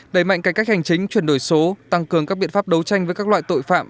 đẩy mạnh cải cách hành chính chuyển đổi số tăng cường các biện pháp đấu tranh với các loại tội phạm